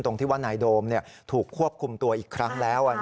ตรงที่ว่านายโดมถูกควบคุมตัวอีกครั้งแล้ว